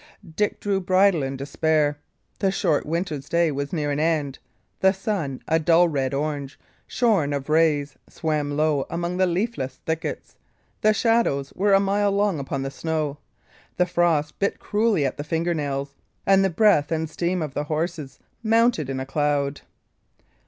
Dick drew bridle in despair. The short winter's day was near an end; the sun, a dull red orange, shorn of rays, swam low among the leafless thickets; the shadows were a mile long upon the snow; the frost bit cruelly at the finger nails; and the breath and steam of the horses mounted in a cloud.